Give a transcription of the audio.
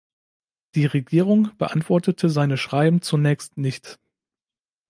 Die Regierung beantwortete seine Schreiben zunächst nicht.